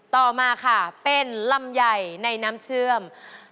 ต่อมาค่ะเป็นลำไยในน้ำเชื่อม